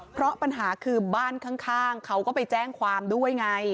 เพราะปัญหาคือบ้านข้างเขาก็ไปแจ้งความด้วยไง